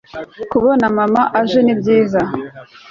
kubona mama aje nibyza